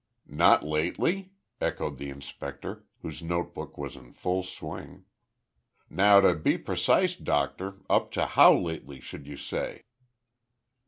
"Not lately?" echoed the inspector, whose notebook was in full swing. "Now to be precise, doctor, up to how lately should you say?"